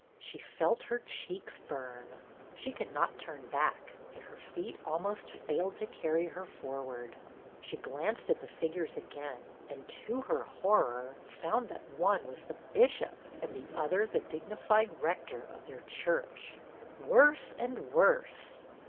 She felt her cheeks burn. She could not turn back and her feet almost failed to carry her forward. She glanced at the figures again, and, to her horror, found that one was the Bishop and the other the dignified rector of their church. Worse and worse